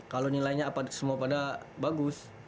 kalau nilainya semua pada bagus